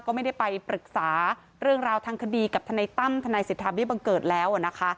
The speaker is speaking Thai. ก็ไม่ได้ไปปรึกษาเรื่องราวทางคดีกับทนายตั้มทนายสิทธาเบี้บังเกิดแล้วนะคะ